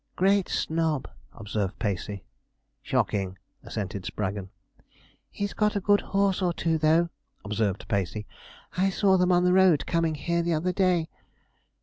'Great snob,' observed Pacey. 'Shocking,' assented Spraggon. 'He's got a good horse or two, though,' observed Pacey; 'I saw them on the road coming here the other day.'